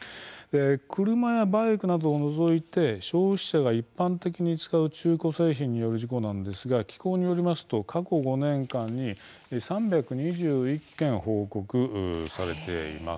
車やバイクなどを除いて消費者が一般的に使う中古製品による事故なんですが機構によりますと過去５年間に３２１件報告されています。